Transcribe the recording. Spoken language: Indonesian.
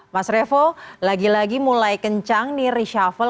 mas revo lagi lagi mulai kencang nih reshuffle